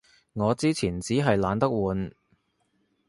我之前衹係懶得換